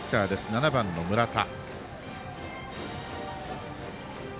７番の村田。